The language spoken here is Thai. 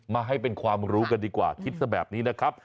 มาให้เป็นความรู้กันดีกว่าคิดซะแบบนี้นะครับ